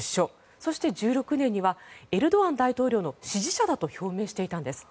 そして、２０１６年にはエルドアン大統領の支持者だと表明していたんです。